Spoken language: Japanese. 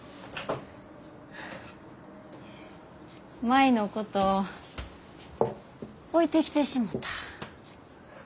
舞のこと置いてきてしもた。